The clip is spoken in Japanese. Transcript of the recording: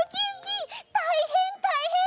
たいへんたいへん！